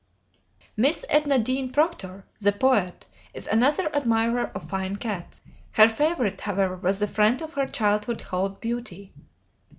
Miss Edna Dean Proctor, the poet, is another admirer of fine cats. Her favorite, however, was the friend of her childhood called Beauty.